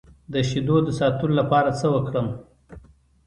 د شیدو د ساتلو لپاره څه وکړم؟